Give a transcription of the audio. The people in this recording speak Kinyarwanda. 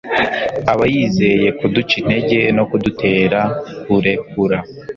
Aba yizeye kuduca intege no kudutera kurekura.